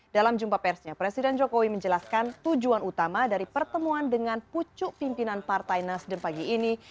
dalam jumpa persnya presiden jokowi menjelaskan tujuan utama dari pertemuan dengan pucuk pimpinan partai nasdem pagi ini